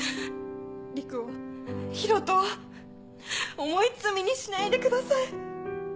陸を博人を重い罪にしないでください。